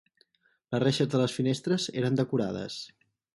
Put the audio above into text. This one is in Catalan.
Les reixes de les finestres eren decorades.